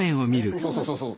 そうそうそうそう。